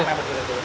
ya memang begitu